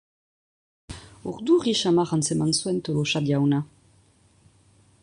Urduri samar antzeman zuen Tolosa jauna.